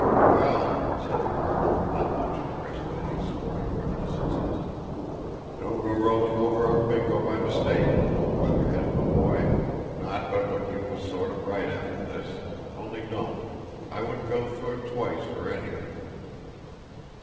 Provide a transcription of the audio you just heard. "Well," said the colonel, not much impressed by these sporting reminiscences, "don't go rolling over our Bingo by mistake, you know, Weatherhead, my boy. Not but what you've a sort of right after this—only don't. I wouldn't go through it all twice for anything."